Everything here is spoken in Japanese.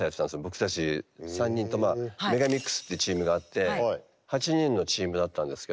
僕たち３人とＭＥＧＡ−ＭＩＸってチームがあって８人のチームだったんですけど。